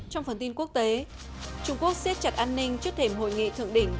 trong phần tin quốc tế trung quốc xếp chặt an ninh trước thềm hội nghị thượng đỉnh g hai mươi